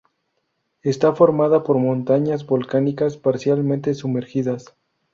Está formada por montañas volcánicas parcialmente sumergidas.